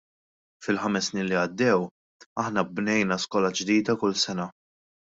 Fil-ħames snin li għaddew aħna bnejna skola ġdida kull sena.